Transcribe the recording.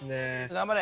頑張れ！